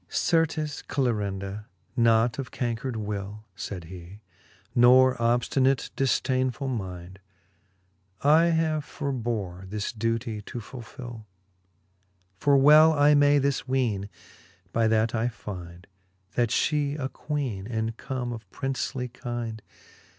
XLI. Certes, Clarinda, not of cancred will, Sayd he, nor obftinate difdainefull mind, I have forbore this duetie to fulfill : For well I may this weene, by that I find, That fhe a Queene, and come of princely kynd.